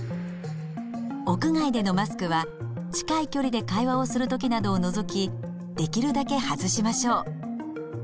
屋外でのマスクは近い距離で会話をする時などを除きできるだけ外しましょう。